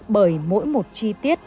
bởi mỗi một chi tiết